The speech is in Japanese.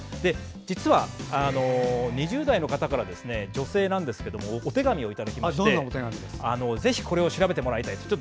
実は２０代の女性からお手紙をいただきましてぜひ、これを調べてもらいたい。